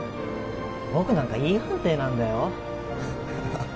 僕なんかＥ判定なんだよ